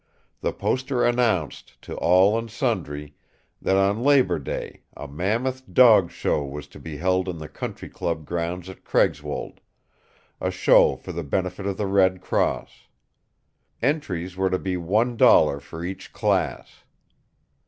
The poster announced, to all and sundry, that on Labor Day a mammoth dog show was to be held in the country club grounds at Craigswold a show for the benefit of the Red Cross. Entries were to be one dollar for each class.